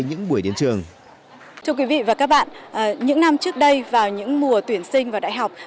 những năm trước đây vào những mùa tuyển sinh vào đại học